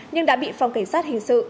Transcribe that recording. nhưng đã bị phòng kế sát hình sự